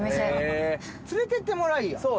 連れてってもらいや。